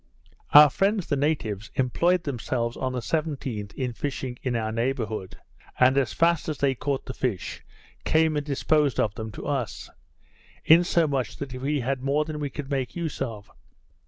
Our friends, the natives, employed themselves on the 17th in fishing in our neighbourhood; and, as fast as they caught the fish, came and disposed of them to us; insomuch that we had more than we could make use of.